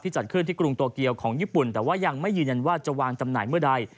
จัดขึ้นที่กรุงโตเกียวของญี่ปุ่นแต่ว่ายังไม่ยืนยันว่าจะวางจำหน่ายเมื่อใด